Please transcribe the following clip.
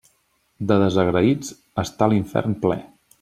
De desagraïts està l'infern ple.